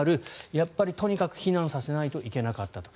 やっぱりとにかく避難させないといけなかったと。